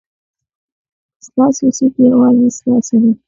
ستاسو سېټ یوازې ستاسو دی.